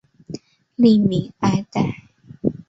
吏民爱戴。